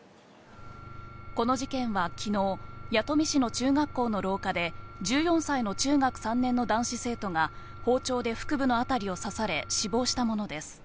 この事件は昨日、弥富市の中学校の廊下で１４歳の中学３年の男子生徒が包丁で腹部のあたりを刺され、死亡したものです。